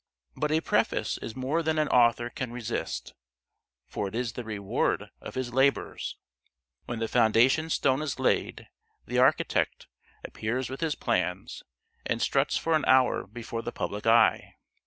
But a preface is more than an author can resist, for it is the reward of his labours. When the foundation stone is laid, the architect appears with his plans, and struts for an hour before the public eye.